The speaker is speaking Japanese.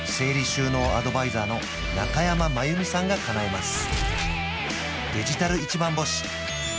収納アドバイザーの中山真由美さんがかなえます